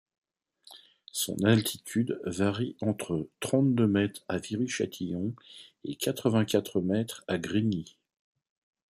Son altitude varie entre trente-deux mètres à Viry-Châtillon et quatre-vingt-quatre mètres à Grigny.